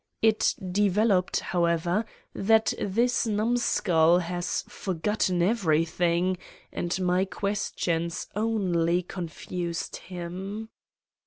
It developed, however, that this numbskull has forgotten everything and my questions only confused him.